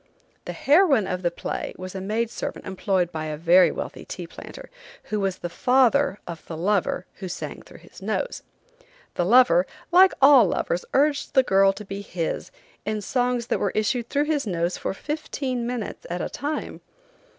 The heroine of the play was a maid servant employed by a very wealthy tea planter, who was the father of the lover who sang through his nose. The lover, like all lovers urged the girl to be his in songs that were issued through his nose for fifteen minutes at a time.